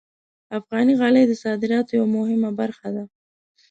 افغاني غالۍ د صادراتو یوه مهمه برخه ده.